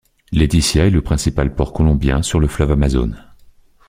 Leticia est le principal port colombien sur le fleuve Amazone.